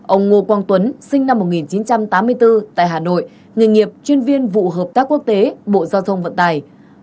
ông ngô quang tuấn sinh năm một nghìn chín trăm tám mươi bốn tại hà nội nghề nghiệp chuyên viên vụ hợp tác quốc tế bộ giao thông vận tài